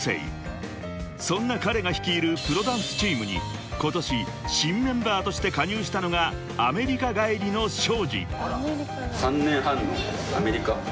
［そんな彼が率いるプロダンスチームに今年新メンバーとして加入したのがアメリカ帰りのＳｈｏｊｉ］